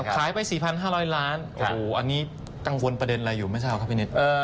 ขายไป๔๕๐๐ล้านอันนี้กังวลประเด็นอะไรอยู่ไม่ใช่ครับพี่นิด